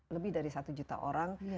lebih dari satu juta orang